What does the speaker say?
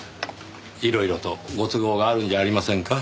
いろいろとご都合があるんじゃありませんか。